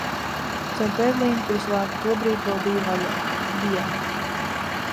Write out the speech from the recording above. Caur Berlīni, kuras vārti tobrīd vēl bija vaļā... Diena.